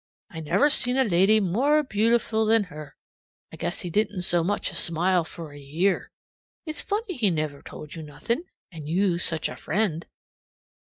I never seen a lady more beautiful than her. I guess he didn't so much as smile for a year. It's funny he never told you nothing, and you such a friend!"